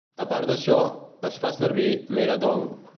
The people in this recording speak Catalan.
A part d'això, es fa servir "Meradong".